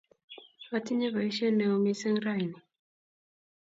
Atinye boisyet neoo mising' ra ini.